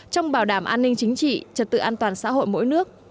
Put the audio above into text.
trong bảo đảm an ninh chính trị trật tự an toàn xã hội mỗi nước